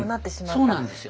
そうなんですよ。